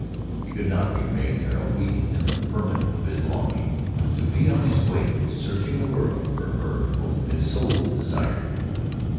He could not remain there a week in the ferment of his longing to be on his way, searching the world for her whom his soul desired.